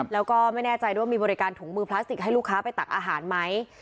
แล้วก็ไม่แน่ใจด้วยมีบริการถุงมือพลาสติกให้ลูกค้าไปตักอาหารไหม